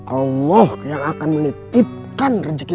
allah yang akan menitipkan rezeki